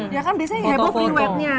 ya kan biasanya heboh riwetnya